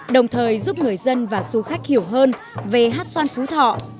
đồng thời giúp người dân và du khách hiểu hơn về hát xoan phú thọ